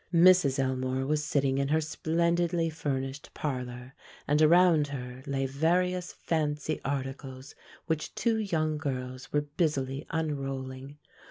Mrs. Elmore was sitting in her splendidly furnished parlor, and around her lay various fancy articles which two young girls were busily unrolling.